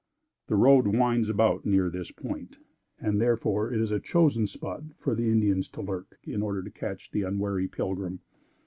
The road winds about near this point, and therefore it is a chosen spot for the Indians to lurk, in order to catch the unwary pilgrim.